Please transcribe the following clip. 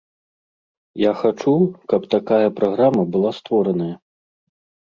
Я хачу, каб такая праграма была створаная.